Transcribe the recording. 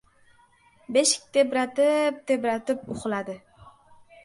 Beshik tebratib-tebratib uxladi.